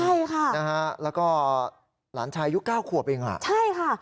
ใช่ค่ะแล้วก็หลานชายยุค๙ขวบเองใช่ค่ะ